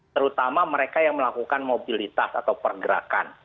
terutama mereka yang melakukan mobilitas atau pergerakan